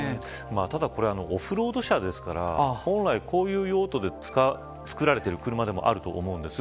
ただこれはオフロード車ですから本来、こういう用途で作られている車でもあると思うんです。